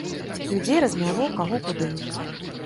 Людзей размяло каго куды.